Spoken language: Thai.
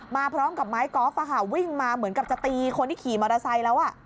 มาพร้อมกับไม้กอล์ฟวิ่งมาเหมือนกับจะตีคนที่ขี่มอเตอร์ไซค์แล้ว